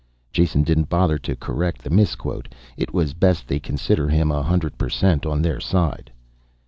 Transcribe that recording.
Jason didn't bother to correct the misquote, it was best they consider him a hundred per cent on their side.